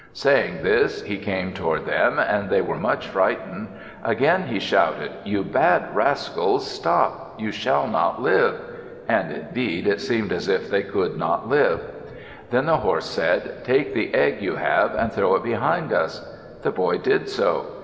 Saying this he came toward them and they were much frightened. Again he shouted, "You bad rascals, stop! You shall not live." And indeed it seemed as if they could not live. Then the horse said, "Take the egg you have and throw it behind us." The boy did so.